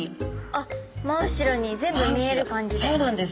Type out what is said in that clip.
あっ真後ろに全部見える感じで。